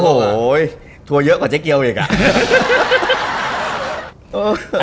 โอ้โหทัวร์เยอะกว่าเจ๊เกียวอีกอ่ะ